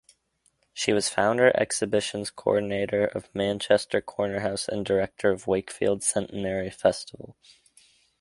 She was founder Exhibitions Coordinator of Manchester Cornerhouse and Director of Wakefield Centenary Festival.